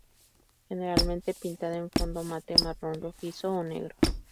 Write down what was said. Generalmente pintada en fondo mate, marrón rojizo o negro.